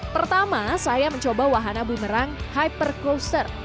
pertama saya mencoba wahana bumerang hyper coaster